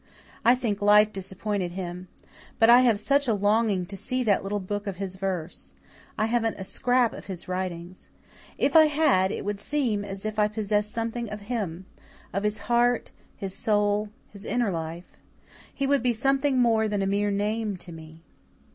I think life disappointed him. But I have such a longing to see that little book of his verse. I haven't a scrap of his writings. If I had it would seem as if I possessed something of him of his heart, his soul, his inner life. He would be something more than a mere name to me."